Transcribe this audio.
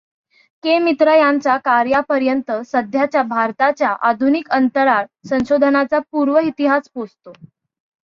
के. मित्रा यांच्या कार्यापर्यंत, सध्याच्या भारताच्या आधुनिक अंतराळ संशोधनाचा पूर्वेतिहास पोचतो.